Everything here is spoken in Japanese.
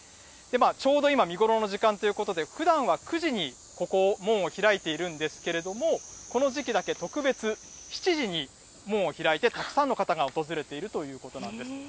ちょうど今、見頃の時間ということで、ふだんは９時にここを、門を開いているんですけれども、この時期だけ、特別、７時に門を開いて、たくさんの方が訪れているということなんです。